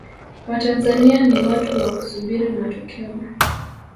watanzania ni watu wa kusubiri matokeo